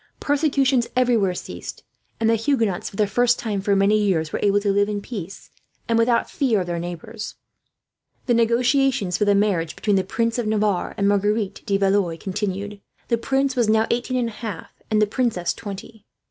Persecutions everywhere ceased; and the Huguenots, for the first time for many years, were able to live in peace, and without fear of their neighbours. The negotiations for the marriage between the Prince of Navarre and Marguerite de Valois continued. The prince was now eighteen and a half, and the princess twenty.